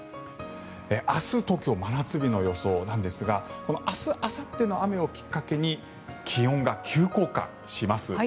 明日、東京真夏日の予想なんですが明日あさっての雨をきっかけに気温が急降下します。